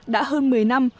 đã hơn một mươi năm